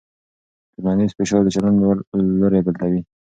ټولنیز فشار د چلند لوری بدلوي.